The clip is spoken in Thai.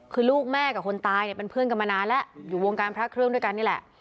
คือลูกแม่กับคนตายเนี่ยเป็นเพื่อนกันมานานแล้วอยู่วงการพระเครื่องด้วยกันนี่แหละ